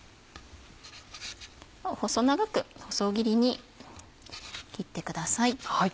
細長く細切りに切ってください。